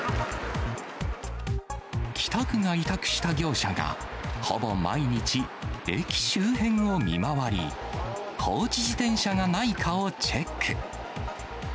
北区が委託した業者が、ほぼ毎日、駅周辺を見回り、放置自転車がないかをチェック。